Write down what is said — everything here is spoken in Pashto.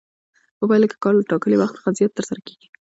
په پایله کې کار له ټاکلي وخت څخه زیات ترسره کېږي